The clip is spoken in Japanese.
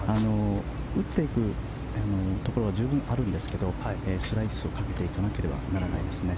打っていくところは十分あるんですけどスライスをかけていかなければならないですね。